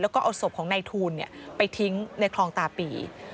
แล้วก็เอาศพของนายทูลไปทิ้งในคลองตาปี